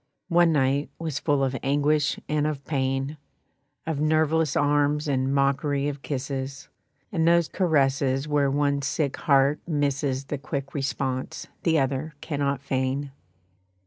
One night was full of anguish and of pain, Of nerveless arms and mockery of kisses; And those caresses where one sick heart misses The quick response the other cannot feign.